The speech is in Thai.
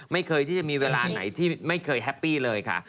ไม่เคยที่จะมีเวลาไหนที่ไม่เคยแฮปปี้เลยค่ะ